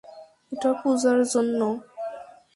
এটা পূজার জন্য।